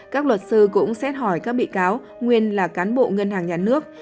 các luật sư cũng xét hỏi các bị cáo nguyên là cán bộ ngân hàng nhà nước